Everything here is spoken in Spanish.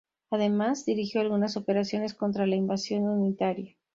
Además, dirigió algunas operaciones contra la invasión unitaria.